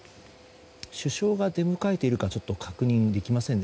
首相が出迎えているか確認できませんね。